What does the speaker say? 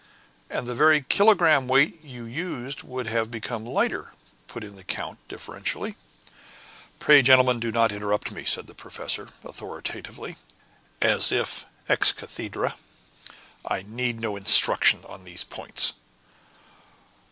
"And the very kilogramme weight you used would have become lighter," put in the count, deferentially. "Pray, gentlemen, do not interrupt me," said the professor, authoritatively, as if ex cathedra. "I need no instruction on these points."